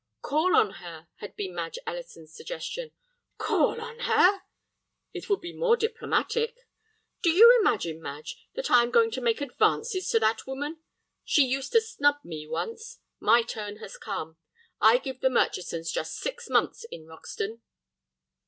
"Call on her," had been Madge Ellison's suggestion. "Call on her!" "It would be more diplomatic." "Do you imagine, Madge, that I am going to make advances to that woman? She used to snub me once; my turn has come. I give the Murchisons just six months in Roxton."